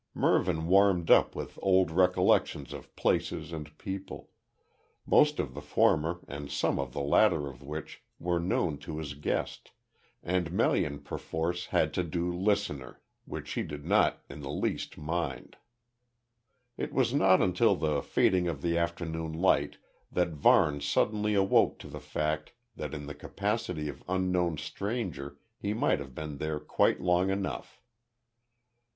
Mervyn warmed up with old recollections of places and people; most of the former and some of the latter of which were known to his guest, and Melian perforce had to do listener, which she did not in the least mind. It was not until the fading of the afternoon light that Varne suddenly awoke to the fact that in the capacity of unknown stranger he might have been there quite long enough.